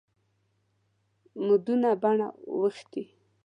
مدونه بڼه وښتي.